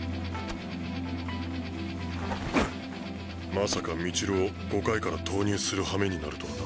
まさか道塁を５回から投入するはめになるとはな。